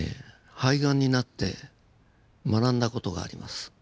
肺ガンになって学んだ事があります。